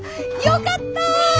よかった！